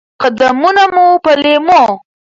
قدمونه مو په لېمو،